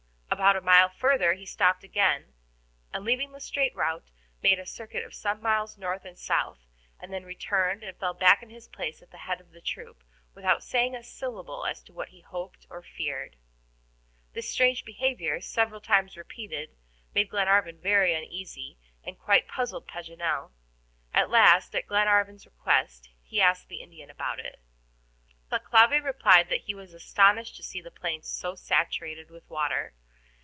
About a mile further he stopped again, and leaving the straight route, made a circuit of some miles north and south, and then returned and fell back in his place at the head of the troop, without saying a syllable as to what he hoped or feared. This strange behavior, several times repeated, made Glenarvan very uneasy, and quite puzzled Paganel. At last, at Glenarvan's request, he asked the Indian about it. Thalcave replied that he was astonished to see the plains so saturated with water.